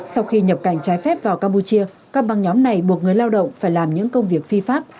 sau khi nhập cảnh trái phép vào campuchia các băng nhóm này buộc người lao động phải làm những công việc phi pháp